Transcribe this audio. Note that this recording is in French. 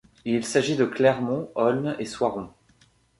Il s'agit de Clermont, Olne et Soiron.